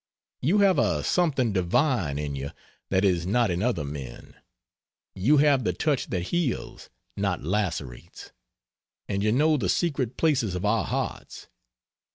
You have a something divine in you that is not in other men. You have the touch that heals, not lacerates. And you know the secret places of our hearts.